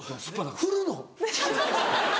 振るの？